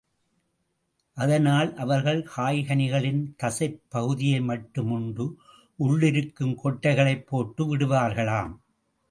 அதனால் அவர்கள் காய் கனிகளின் தசைப் பகுதியை மட்டும் உண்டு, உள்ளிருக்கும் கொட்டைகளைப் போட்டு விடுவார்களாம்.